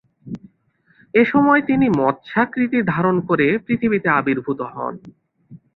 এ সময় তিনি মৎস্যাকৃতি ধারণ করে পৃথিবীতে আবির্ভূত হন।